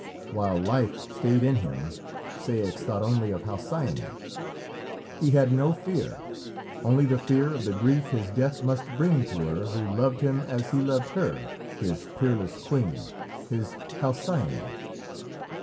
While life stayed in him, Ceyx thought only of Halcyone. He had no fear, only the fear of the grief his death must bring to her who loved him as he loved her, his peerless queen, his Halcyone.